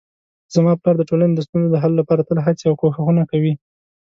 زما پلار د ټولنې د ستونزو د حل لپاره تل هڅې او کوښښونه کوي